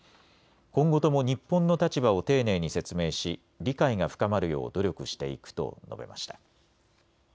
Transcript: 今後とも日本の立場を丁寧に説明し理解が深まるよう努力していくと述べました。